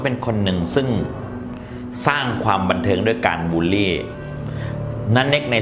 เป็นคนหนึ่งซึ่งสร้างความบันเทิงด้วยการบูลลี่ณะเนคใน